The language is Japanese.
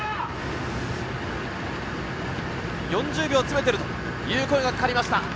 ４０秒詰めているという声がかかりました。